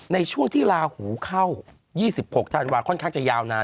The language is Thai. ในช่วงที่ลาหูเข้า๒๖ธันวาค่อนข้างจะยาวนาน